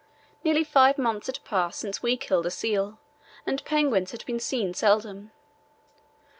Nearly five months had passed since we killed a seal, and penguins had been seen seldom.